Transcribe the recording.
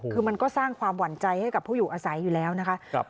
คือมันก็สร้างความหวั่นใจให้กับผู้อยู่อาศัยอยู่แล้วนะคะ